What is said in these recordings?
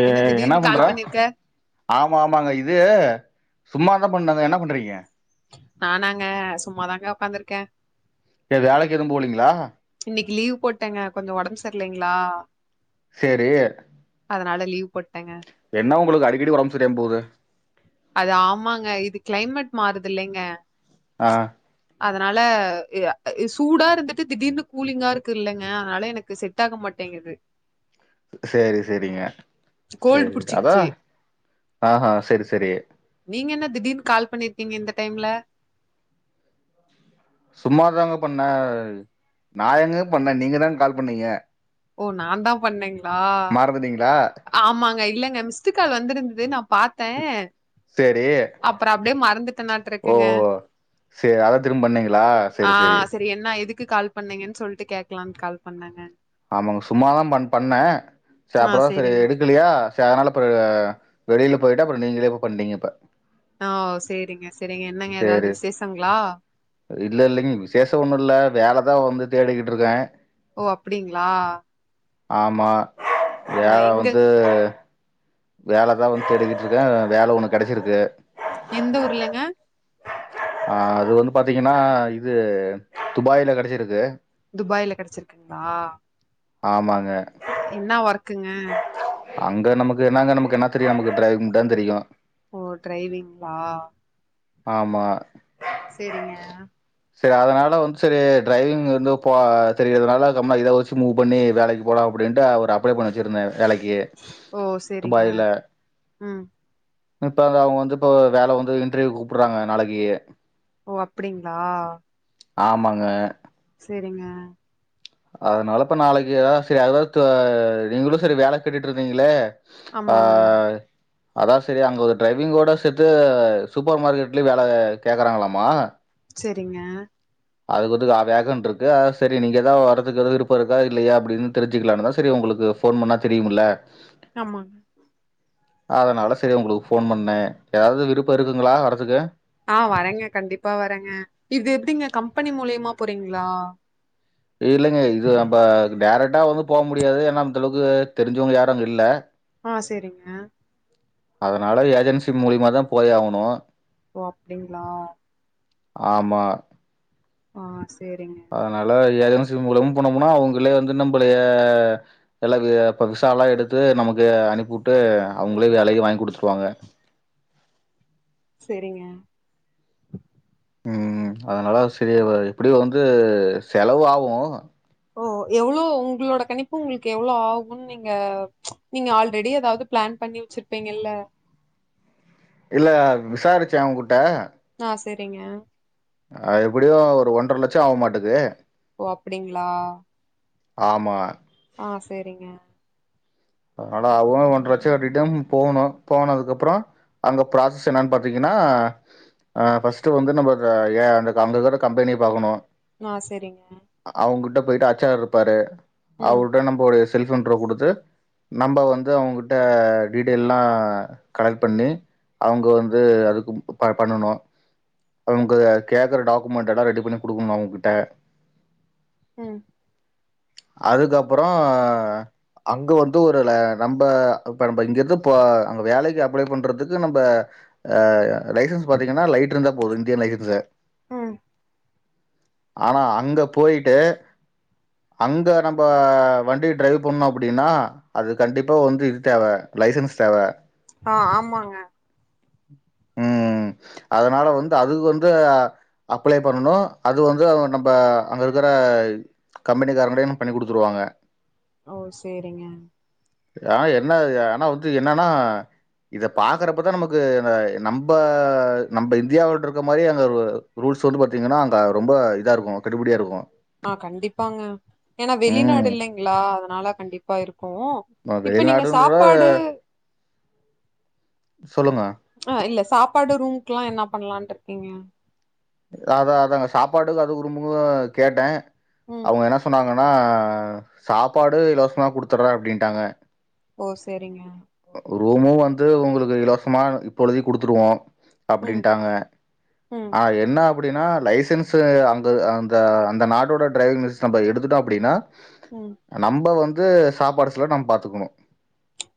ஏ என்ன திடீர்னு பண்ற கால் பண்ணிருக்க ஆமா ஆமாங்க இது சும்மா தான் பண்னேங்க என்ன பண்றீங்க நானாங்க சும்மாதாங்க உ்காந்துருக்கே ஏ வேலைக்கு எதுவும் போகலைங்களா இன்னைக்கு லீவ் போட்டேங்க கொஞ்சம் ஒடம்பு சரலைங்களா சரி அதனால லீவ் போட் என்ன உங்களுக்கு அடிக்கடி ஒடம்புசரியம போது அது ஆமாங்க இது கிளைமேட் மாறுது இல்லைங்க ஆ அதனால சூடா இருந்துட்டு திடீர்னு கூலிங்கா இருக்கு இல்லங்க அதனால எனக்கு செட் ஆக மாட்டேங் ங்கெது சேரி செரிங்க கோல்டு செரி அதா பிடிச்சிக்கிச்சு ஆஹா செரி செரி நீங்க என்ன திடீன் கால் பண்ணிருக்கீங்க இந்த டைம்ல சும்மாதாங்க பண்ணே நா எங்க பண்ணே நீங்க தாங் கால் பண்ணீங்க ஓ நாந்தா பண்ணேங்ளா மறந்துட்டீங்களா ஆமாங்க இல்லங்க மிஸ்டு கால் வந்திருந்துது நா பாத்தே சேரி அப்றோ அப்டே மறந்துட்டேனாட்ருக்குங்க சே அதா திரும் பண்ணீங்களா செர் செரி கு கால் பண்ணீங்கன் சொல்லிட்டு கேக்லான் கால் பண்ணேங்க ஆமாங் சும்மாதா பண் பண்ணே செ ஆ அப்றதா செரி சேரிங்க எடுக்கலியா செ அத்னால போ வெளியில போய்ட்டே அப்ற நீங்களே பண்ட்டீங்க இப்ப ஆ செரிங்க ஸ் செரி இல்லல்லிங் விசேஷோ ஒன்னுல்ல வேல தா வந்து தேடிகிட்ருக்கே ஓ அப்டிங்ளா ஆமா வேல வந்து வேல தா ஒன் தேடிகிட்ருக்கே வேல ஒன்னு கெடச்சிருக்கு எந்த ஊர்லங்க ஆ அது வந்து பாத்தீங்கன்னா இது துபாய்ல கெடச்சிருக்கு கெடச்சிருக்குங்ளா ஆமாங் என்ன வர்க்குங்க அங்க நமக்கு என்னங்க நமக்கு என்ன தெரியு நமக்கு ட்ரைவிங் முட்டாந்தெரியூ ஓ டிரைவிங்ளா ஆமா செரிங்க செரி அதனால வந்து செரி ட்ரைவிங் இந்து போ தெரியிறதுனால கம் நா இத வச்சு மூவ் பண்ணி வேலைக்கு போலாம் அப்டின்டு ஒரு அப்ளை பண்ணி இருந்த வேலைக்கி ஓ சேரிங்க துபாயில ம் இப்ப அங்க அவுங்க வந்து இப்ப வேல வந்து இன்ட்ரிவ்கு கூப்ட்றாங்க நாளைக்கி ஓ அப்பிடிங்ளா ஆமாங்க செரிங்க அதனாலப்ப நாளைக்கு எதா செ அதாவ் தே நீங்களூ செரி வேல கேட்டிட்ருந்தீங்ளே ஆ ஆமாங்க அதா செரி அங்க ஒரு ட்ரைவிங்கோட சேத்து சூப்பர் மார்க்கெட்லயு வேல கேக்கறாங்ளாமா செரிங்க அதுக்குத்துகா வேகண்ட்ருக்கு செரி நீங்கெதா வர்றதுக்கு விருப்போருக்கா இல்லையா அப்டின் தெரிஞ்சுக்கலானு தா செரி உங்குளுக் கு ஃபோன் பண்ணா தெரியுமுல ஆமாங்க அதனால செரி உங்குளுக்கு ஃபோன் பண்ணே ஏதாவ்து விருப்போ இருக்குதுங்ளா வறதுக்கு ஆ வரேங்க கண்டிப்பா வரேங்க இது எப்டிங்க கம்பெனி மூலியமா போறீங்ளா இல்லைங்க இது நம்ப டேரக்டா வந்து போ முடியாது ஏனா அந்தளவுக்கு தெரிஞ்சவுங்க யாரு அங்க இல்ல ஆ செரிங்க அதனால ஏஜென்சி மூலிமா தா போய் ஆவ்ணு ஓ அப்டிங்ளா ஆமா ஆ சேரிங்க அதனால ஏஜென்சி மூலமா போனோம்னா அவுங்ளே வந்து நம்பளயே எல்லா வி இப்ப விசாலா எடுத்து நமக் வே அனுப்பியுட்டு அவுங்ளே வேலையூ வாங் குடுத்ருவாங்க செரிங்க ம் அதனால செரி ஆவாது எப்பிடியு வந்து செலவு ஆவு ஓ எவ்வளோ உங்களோட கணிப்பு உங்களுக்கு எவ்வளோ ஆகுனு நீங்க ம்ச் நீங்க ஆல்ரெடி எதாவது பிளான் பண்ணி வெச்சிருப்பீங்க இல்ல இல்ல விசாரிச்சே அவுங்க கிட்ட ஆ சேரிங்க ஆ எப்பிடியு ஒரு ஒன்றரை லட்சோ ஆவு மாட்டது ஓ அப்படிங்களா ஆமா ஆ சேரிங்க அதனால அவுகளு ஒன்ற லட்சோ ரிட்டன் போவணு போனதுக்கு அப்புறோ அங்க ப்ராசஸ் என்னான்னு பாத்தீங்கன்னா ஆ ஃபஸ்ட் வந்து நம்ம ஒரு ஏ அந்த அங்க கற கம்பெனிய பாக்கணு ஆ செரிங்க அவங்கிட்ட போயிட்டு அச் ஆர் இருப்பாரு ம் அவருரோட நம்ப ஒரு செல்ப் இன்றோ குடுத்து நம்ம வந்து அவங்ககிட்ட டீடெயல் எல்லா கலெக்ட் பண்ணி அவங்க வந்து அதுக்கு ப பண்ணணு அவுங்க கேக்குற டாக்குமெண்ட் எல்லா ரெடி பண்ணி குடுக்கணு அவங்க கிட்ட உம் அதுக்கப்புறோ அங்க வந்து தூருல நம்ப இப்ப நம்ப இங்க இருந்து இப்போ அங்க வேலைக்கு அப்ளை பண்றதுக்கு நம்ம ஆ லைசன்ஸ் பாத்தீங்கன்னா லைட் இருந்தா போது இந்தியன் லைசன்ஸ்சு ம் ஆனா அங்க போயிட்டு அங்க நம்ம வண்டி டிரைவ் பண்ணு அப்படின்னா அது கண்டிப்பா வந்து இது தேவ லைசன்ஸ் தேவ ஆ ஆமாங்க உம் அதனால வந்து அதுக்கு வந்து அப்ளை பண்ணணு அது வந்து அவங்க நம்ம அங்க இருக்கற ஆ கம்பெனி காரங்களே பண்ணி குடுத்துருவாங்க ஓ சேரிங்க ஆ என்ன இது ஆனா வந்து என்ன ஆனா இத பாக்கற அப்பதா நமக்கு இங்க நம்ப நம்ப இந்தியாவில இருக்க மாரி அங்க ரூ ரூல் சு வந்து பாத்தீங்கன்னா அங்க ரொம்ப இதா இருக்கு கெடுபுடியா இருக்கு ஆ கண்டிப்பாங்க ஏன்னா வெளிநாடு ம் இல்லைங்களா அதனால கண்டிப்பா இருக்கு கு இப்ப நீங்க வெளிநாடுன்ற சாப்பாடு சொல்லுங்க ஆ இல்ல சாப்பாடு ரூம்க் எல்லா என்ன பண்ணலான்டு இருக்கீங்க அதா அதாங்க சாப்பாடு அதுக்கு ரூம்க்கு கேட்டே ம் அவங்க என்ன சொன்னாங்க னா சாப்பாடு இலவசமாக குடுத்தறே அப்டின்ட்டாங்க ஓ சேரிங்க ரூமு வந்து உங்களுக்கு இலவசமா இப்பொழுதிக்கு குடுத்துருவோ ம் அப்டின்டாங்க ம் ஆ எத் அப்புடின்னா லைசன்ஸ் அங்க அந்த அந்த நாடோட டிரைவிங் லைசன்ஸ் நம்ப எடுத்துட்டோ அப்புடின்னா ம் நம்ப வந்து சாப்பாடு செலவு நம்ம பாத்துக்கணு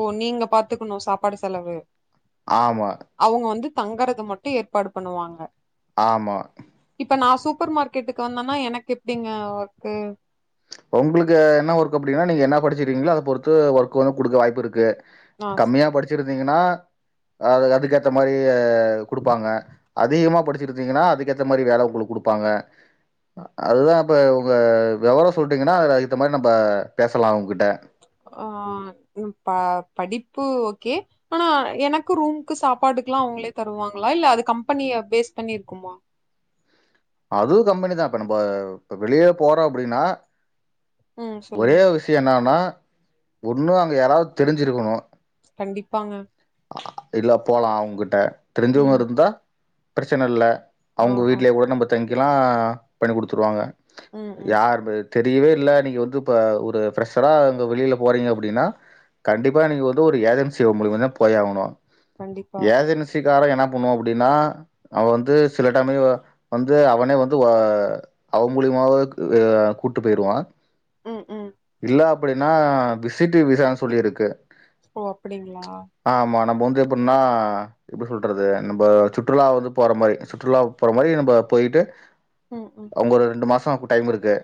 ஓ நீங்க பாத்துக்கணு சாப்பாடு செலவு ஆமா அவங்க வந்து தங்கறது மட்டு ஏற்பாடு பண்ணுவாங்க ஆமா இப்ப நா சூப்பர் மார்க்கெட்டுக்கு வந்தேன்னா எனக்கு எப்பிடிங்க வர்க்கு உங்குளுக்கு என்ன ஒர்க்கு அப்டின்னா நீங்க என்ன படிச்சிருக்கீங்களோ அத பொறுத்து ஒர்க் வந்து குடுக்க வாய்ப்பு இருக்கு நா கம்மியா படிச்சிருந்தீங்கன்னா அது அதுக்கேத்த மாரி குடுப்பாங்க அதிகமா படிச்சிருத்தீங்குனா அதுக்கேத்த மாரி வேல உங்குளு குடுப்பாங்க அதுதா இப்ப உங்க வெவரொ சொல்ட்டீங்கனா ரைத்த மாரி நம்ப பேசலா உங்கிட் ஆ ப்ப படிப்பு ஓகே ஆனா எனக்கு ரூம்க்கு சாப்பாடுக்கலாஅவுங்ளே தருவாங்ளா இல்ல அது கம்பனி அபேஸ் பண்ணிர்க்குமா ப்ரூ கம்பெனி தா இப்ப நம்ப இப்ப வெளியே போறோ அப்புடினா ம் ஒரே சொல்லுங்க விஷ்ய என்னானா ஒன்னு அங்க யாராவ்து தெரிஞ்சிருக்குணு கண்டிப்பாங்க இல்ல போலா அவுங்குட்ட தெரிஞ்சவுங் ம் இருந்தா ப்ரச்சனல்ல ஆ அவுங்க ஆ வீட்லே கூட நம்ப தங்கிலா பண்ணி குடுத்துருவாங்க ம் ம் யார்பே தெரிய்வே இல்ல நீங்க வந்து இப்ப ஒரு ஃப்ரஷ்ஷரா ங்க வெளில போறீங்க அப்புடினா கண்டிப்பா நீங்க வந்து ஒரு ஏஜன்சியவ் மூலியமாதான போய் ஆவுணு கண்டிப்பா ஏஜன்சி கார என்ன பண்ணுவா அப்புடினா அவ வந்து சில டம் இவ வந்து அவனே வந்து வ அவ மூலியமாவ வே கூட்டு பெய்ருவா ம் ம் இல்ல அப்படினா விசிட்டு விசான் சொல்லி இருக்கு ஓ அப்புடிங்ளா ஆமா நம்ப வந்து எப்புட்னா எப்ப சொல்றது நம்ப சுற்றுலா வந்து போற மாரி சுற்றுலாவுக் போற மா அயு நம்ப போயிட்டு ம் ம் அவுங் ஒரு ரெண்டு மாசா கு டைம் இருக்கு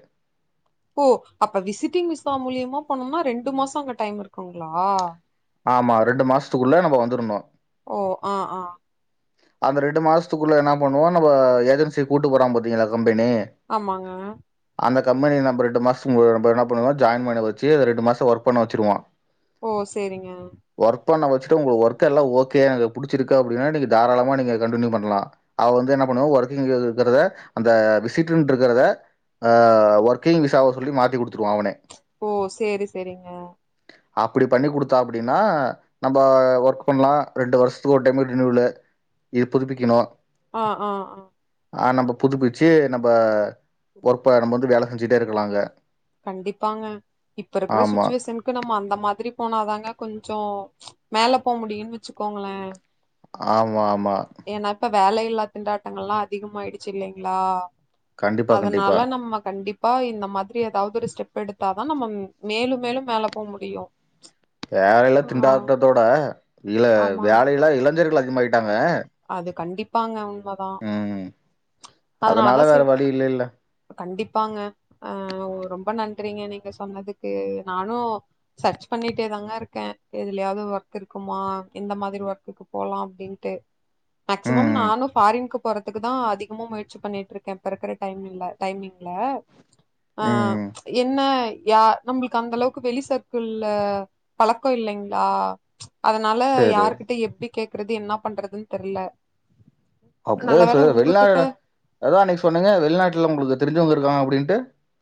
ஒ அப்ப விசிட்டிங் விசா மூல்யமா போனோம்னா ரெண்டு மாஸ் அங்க டைம் இருக்குங்ளா ஆமா ரெண்டு மாசுத்துக்குள்ள நம்ப வந்துருனு ஒ ஆ ஆ அந்த ரெண்டு மாசுத்துக்குள்ள என்ன பண்ணுவோ நம்ப ஏஜன்சிய கூட்டு போற பாத்தீங்களா சம் ஆமாங்க கம்பெனி நம்ப ரெண்டு மாசும்பு நம்ப என்ன பண்ணுவோனா ஜாயின் மேன வச்சு அத ரெண்டு மாச ஒர்க் பண்ணவச்சிருவா ஓ சேரிங்க பண்ணவச்சுட்டு ஒங்ளுக் ஒர்க எல்லா ஓகே எனக்கு புடிச்சிருக்கு அப்புடினா நீங்க தாராளமா நீங்க கண்டின்யு பண்ணலா அவ் வந்து என்ன பண்ணுவா ஒர்க்கியுத் இருக்குறத அந்த விசிட்டுன்றுக்குறத அ ஒர்கிங் விசாவ சொல்லி மாத்திகுடுத் ஓ சேரி செரிங்க அப்டிபண்ணி குடுத்தா அப்டின்னா நம்ப ஒர்க் பண்லா ரெண்டு வர்ஷ்த்துக்கு ஒரு டைம் ரினிவுலு ஈ புதுப்பிக்கிணு ஆ ஆ ஆ அ நம்ப புதுப்பிச்சு நம்ப ஒர்ப்ப நம் வந்து வேல செஞ்சுட்டே இருக்கலாங்க கண்டிப்பாங்க இப்ப இருக்குற ஆமா. சுச்சுவேசன்க்கு நம் அந்த மாதுரி போனாதாங்க கொஞ்சொ மேலபோ முடியுன் வெச்சுக்கோங்ளே ஆமா ஆமா வேலையில்லா திண்டாட்டங்கள்ளா அதிகமாயிடுச்சி இல்லைங்ளா கண்டிப்பா, கண்டிப்பா. அதனால நம்ம கண்டிப் பா இந்த மாதுரி ஏதாவ்து ஒரு ஸ்டெப் எடுத்தாதா நம்மம் மேலு மேலு மேல போ முடியு வேலையில ஆ திண்டாட்டத்தோட இல ஆமாங்க வேலையிலா இளைஞர்கள் அதிகமாயிட்டாங்க அது கண்டிப்பாங்கவ் மதா ம். அதனால அதனாலதா சே வேற வழி இல்லல்ல. கண்டிப் பாங்க அ ஒ ரொம்ப நன்றிங்க நீங்க சொன்னதுக்கு நானு சர்ச் பண்ணிட்டேத தங்க இருக்கே இதுல்யாவ்து ஒர்க் இருக்குமா இந்த மாதிரி ஒர்க்குக்கு போலா அப்டின்டு மேக்சிமம் ம், நானு ஃபாரின்க்கு போறதுக்குதா அதிகமா முயற்சி பண்ணிட்ருக்கே பெறக்குற டைம் இல்ல டைமிங் ல அ அ ம். என்ன யா நம்புள்க்கு அந்தளவுக்கு வெளி சர்க்குள்ள பலக்கொ இல்லைங்ளா அதனால சரி. யாருகுட்டு எப்டி கேக்றது என்னா பண்றதுன் தெர்ல [unintelligible] நல்ல வேல உங்ககிட்ட [unintelligible] அதா அன்னக்கி சொன்னனே வெள்நாட்லம்ளுக்கு தெரிஞ்சவுங் இருக்காங்க அப்புடின்டு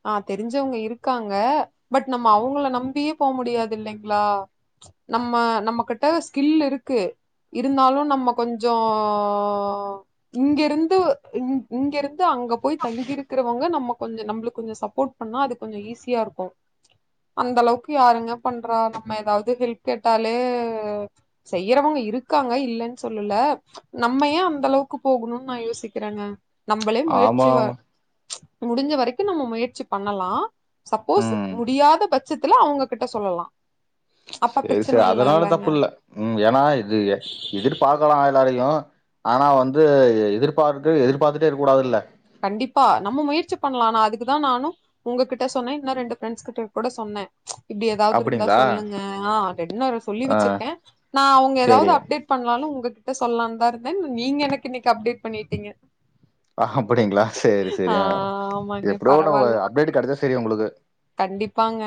ஆ தெரிஞ்சவுங்க இருக்காங்க பட் நம்ம அவுங்கள நம்பியே போ முடியாது இல்லைங்ளா நம்ம நம்ம குட்ட ஸ்கில் இருக்கு இருந்தாலு நம்ம கொஞ்சோ இங்கிருந்து ஒ இங் இங்கிருந்து அங்க போய் தங்கியிருக்குறவங்க நம்ம கொஞ்ச நம்ப்ளுக் கொஞ்ச சப்போட் பண்ணா அது கொஞ்ச ஈஸியா இருக்கு அந்த அளவுக்கு யாருங்க பண்றா நம்ம எதாவது ஹெல்ப் கேட்டாலே செய்யறவங்க இருக்காங்க இல்லன் சொல்லல நம்ம ஏ அந்த அளவுக்கு போகுணுன் நா யோசிக்கிறேங்க நம்பளே முயற்சி ஆமா, வ ஆமா. முடிஞ்ச வரைக் கு நம்ம முயற்சி பண்ணலா சப்போஸ் ம். முடியாத பட்சத்துல அவுங்க கிட்ட சொல்லலா செரி செ அதனால தப்புல்ல ம் ஏன்னா இது எ எதிர்பாக்கலா [unintelligible] வரையு ஆனா வந்து எ எதிர்பார்கு எதிர்பாத்துட்டே இருக் கூடாதுல்ல கண்டிப்பா நம்ம முயற்சி பண்லா நா அதுக்குதா நானு உங்ககிட்ட சொன்னே இன்னு ரெண்டு ஃப்ரெண்ட்ஸ் கிட்ட கூட சொன் ன இப்டி எதாவதுருந்தா அப்டிங்களா சொல்லுங்க அ அப்டின்னு ஒரு சொல்லி ஆ வெச்சிருக்கே நா அவுங்க சேரி எதாவது அப்டேட் பண்ணாலு உங்க கிட்ட சொல்லாந்தா இருந்தேன் நீங்க எனக்கு இன்னைக் அப்டேட் பண்ணீட்டீங்க அ அப்படிங்ளா செரி செரி அ ஆமாங்க எப்படோ ஒன்னு ந வ பரவால்ல. அப்டேடு கெடச்சா செரி உங்குளுக்கு கண்டிப்பாங்க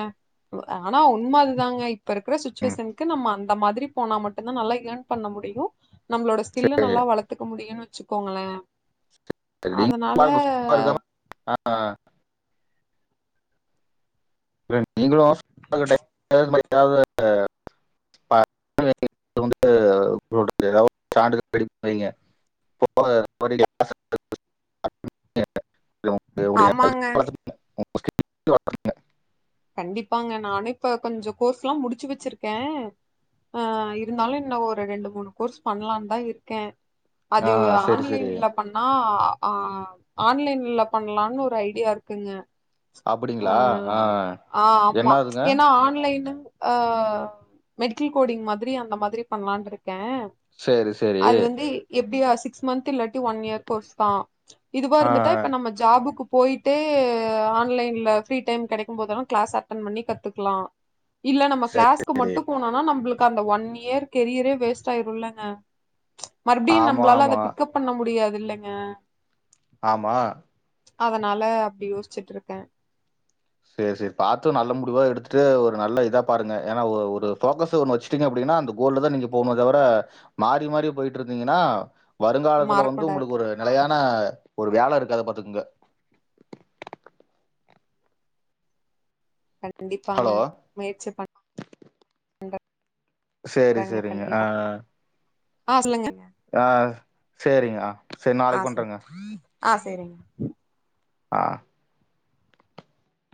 ஆ னா உண்ம அதுதாங்க இப்ப இருக்குற ம் சுச்சுவேஸன்க்கு நம்ம அந்த மாதிரி போனா மட்டுந்தா நல்லா யேன் பண்ண முடியு நம்ப்ளோட ஸ்கில்லு நல்லா வளத்துக்க முடியுன் வெச்சுக்கோங்களே அதனால அ [inaudible] நீங்களு [inaudible] [inaudible] சான்றிதழ் ரெடி பண்ணி வைங்க ஆமாங்க. [inaudible] [inaudible] கண்டிப்பாங்க நானு இப்ப கொஞ்சோ கோர்ஸ்ல்லா முடிச்சு வெச்சிருக்கே அ இருந்தாலு இன்னு ஒரு ரெண்டு மூணு கோர்ஸ் பண்லான் தா இருக்கே ஆ அது சேரி சேரி ஆன்லைன்ல பண்ணா ஆ ஆன்லைன்ல பண்லான் ஒரு ஐடியா இருக்குங்க அப்படிங்ளா ஆ அ ஆம்மா என்னாதுங்க ஏன்னா ஆன்லைனு ஆ மெடிக்கில் கோடிங் மாதிரி அந்த மாதிரி பண்லான்ட்ருக் கே சேரி சேரி அது வந்து எப்டியா சிக்ஸ் மந்த்து இல்லாட்டி ஒன் யேர் கோஸ்தா இதுவா ஆ இருந்துட்டா இப்ப நம்ம ஜாபுக்கு போயிட்டே ஆன்லைன்ல ஃப்ரீ டைம் கெடைக்கும் போதெல்லா க்ளாஸ் அட்டன் பண்ணி கத்துக்லா இல்ல நம்ம சேரி க்ளாஸ்க்கு சேரி மட்டு போனோனா நம்ப்ளு க் அந்த ஒன் இயர் கெரியரே வேஸ்ட் ஆய்ருல்லங்க மறுப்டியு ஆமா நம்ப்ளால அத ஆமா பிக்கப் பண்ண முடியாது இல்லைங்க ஆமா அதனால அப்டி யோஸ்ச்சுட்ருக்கே செரி செரி பாத்து நல்ல முடிவா எடுத்துட்டு ஒரு நல்ல இதா பாருங்க ஏனா ஒ ஒரு ஃபோக்கஸு ஒன்னு வெச்ட்டீங்க அப்டி னா அந்த கோல்லதா நீங்க போனுமே தவர மாறி மாறி போய்ட்ருந்தீங்கன்னா வருங்காலத்துல வந்து மாறக்கூடாது உங்குளுக் ஒரு நெலையா ன ஒரு வேல இருக்காது பாத்துக்குங்க கண்டிப்பாங்க ஹலோ முயற்சி பண்ற செரி செரிங்க ஆ அ சொல்லுங்க ஆ செரிங்க அ செரி ஆ நாளைக் சேரி பண்றேங்க ஆ சேரிங்க அ